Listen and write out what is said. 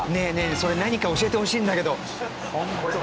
それ何か教えてほしいんだけど。